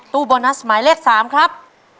ตู้โบนัสหมายเลข๓ครับ